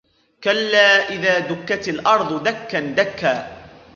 كلا إذا دكت الأرض دكا دكا